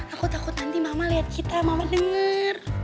aku takut nanti mama liat kita mama denger